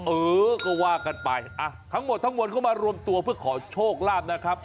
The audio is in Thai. เออก็ว่ากันไปทั้งหมดทั้งมวลเข้ามารวมตัวเพื่อขอโชคลาภนะครับ